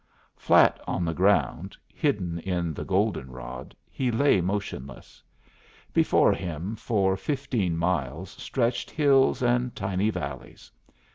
Flat on the ground, hidden in the goldenrod, he lay motionless. Before him, for fifteen miles stretched hills and tiny valleys.